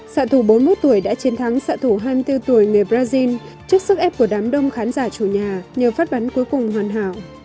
sạ thủ bốn mươi một tuổi đã chiến thắng xạ thủ hai mươi bốn tuổi người brazil trước sức ép của đám đông khán giả chủ nhà nhờ phát bắn cuối cùng hoàn hảo